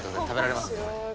食べられますので。